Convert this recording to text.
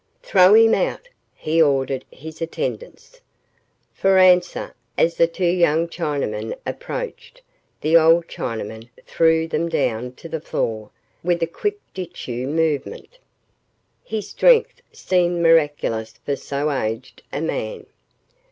"Throw him out," he ordered his attendants. For answer, as the two young Chinamen approached, the old Chinaman threw them down to the floor with a quick jiu jitsu movement. His strength seemed miraculous for so aged a man.